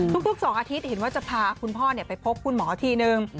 ทุก๒อาทิตย์เห็นว่าจะพาคุณพ่อไปพบคุณหมอทีนึง